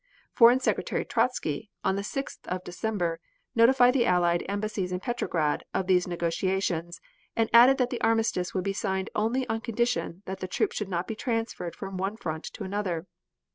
Foreign Secretary Trotzky, on the 6th of December, notified the allied embassies in Petrograd of these negotiations and added that the armistice would be signed only on condition that the troops should not be transferred from one front to another.